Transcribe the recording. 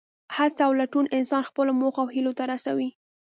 هڅه او لټون انسان خپلو موخو او هیلو ته رسوي.